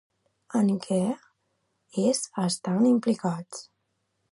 En què es estan implicats?